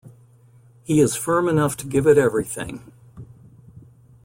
He is firm enough to give it everything.